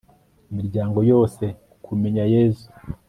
imiryango yose kukumenya yezu